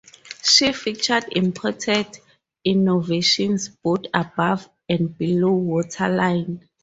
She featured important innovations both above and below the waterline.